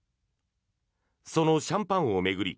そのシャンパンを巡り